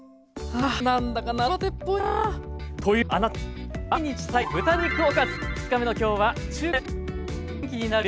「あ何だか夏バテっぽいなあ」というあなたに２日目の今日は中華です。